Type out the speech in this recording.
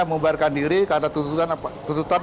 membaharkan diri karena tuntutan